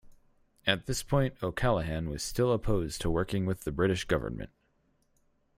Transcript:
At this point O'Callaghan was still opposed to working with the British Government.